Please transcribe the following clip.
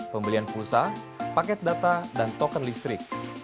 pembelian pulsa paket data dan token listrik